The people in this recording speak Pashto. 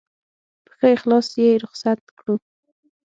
په ښه اخلاص یې رخصت کړو.